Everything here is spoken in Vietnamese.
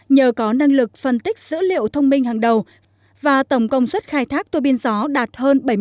nhờ có năng lực phân tích dữ liệu thông minh hàng đầu và tổng công suất khai thác tuô biên gió đạt hơn bảy mươi